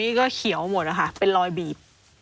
ถักตามคอนี่ก็เขียวหมดอ่ะค่ะเป็นรอยบีบ